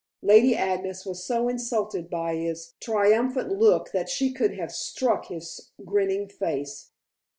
Lady Agnes was so insulted by his triumphant look that she could have struck his grinning face.